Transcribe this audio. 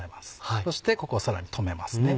そしてここをさらに留めますね。